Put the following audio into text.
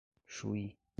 Chuí